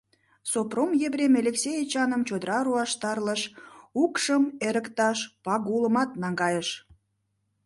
Сопром Епрем Элексей Эчаным чодыра руаш тарлыш, укшым эрыкташ Пагулымат наҥгайыш.